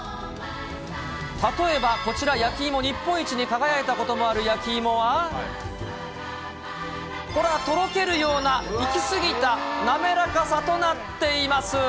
例えばこちら、焼きいも日本一に輝いたこともある焼きいもは、ほら、とろけるような、いきすぎた滑らかさとなっております。